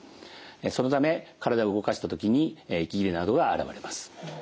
そのため体を動かした時に息切れなどが現れます。